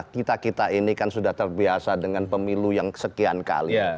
kita kita ini kan sudah terbiasa dengan pemilu yang sekian kali